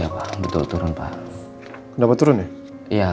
kau mau warna hijau nggak